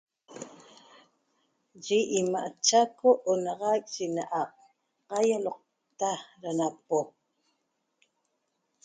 yi imaa' chaco onaxaic shinatap .cahioloqta da nopo